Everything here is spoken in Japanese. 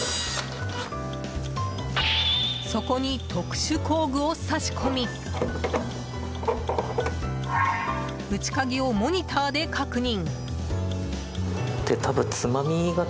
そこに、特殊工具をさし込み内鍵をモニターで確認。